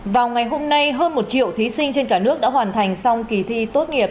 vào ngày hôm nay hơn một triệu thí sinh trên cả nước đã hoàn thành xong kỳ thi tốt nghiệp